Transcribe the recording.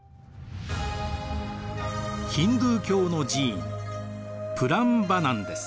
ヒンドゥー教の寺院プランバナンです。